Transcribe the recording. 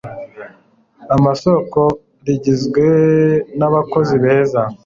amasoko rigizwe nabakozi beza